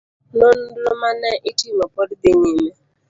Nonro mane itimo pod dhi nyime.